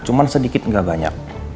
cuma sedikit enggak banyak